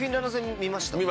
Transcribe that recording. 見ました。